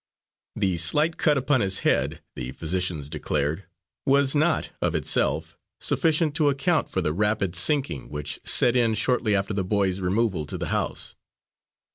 The slight cut upon the head, the physicians declared, was not, of itself, sufficient to account for the rapid sinking which set in shortly after the boy's removal to the house.